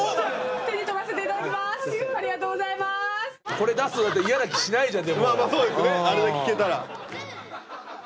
これ出すとなると嫌な気しないじゃん。